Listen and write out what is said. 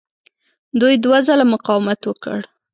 دوی دوه ځله مقاومت وکړ.